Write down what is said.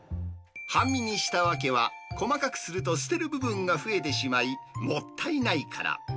半身にした訳は、細かくすると捨てる部分が増えてしまい、もったいないから。